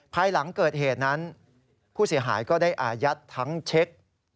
ภายหลังเกิดเหตุนั้นผู้เสียหายก็ได้อายัดทั้งเช็ค